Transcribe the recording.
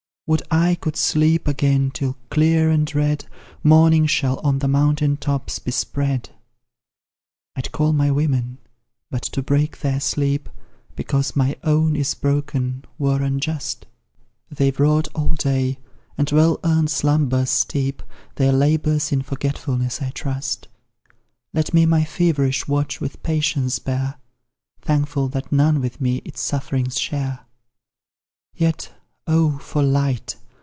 Would I could sleep again till, clear and red, Morning shall on the mountain tops be spread! I'd call my women, but to break their sleep, Because my own is broken, were unjust; They've wrought all day, and well earn'd slumbers steep Their labours in forgetfulness, I trust; Let me my feverish watch with patience bear, Thankful that none with me its sufferings share. Yet, oh, for light!